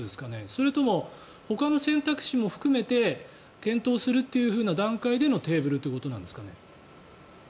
それともほかの選択肢も含めて検討するという段階でのテーブルということなんですかね。